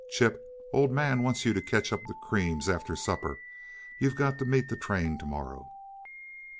Chip, Old Man wants you to catch up the creams, after supper; you've got to meet the train to morrow."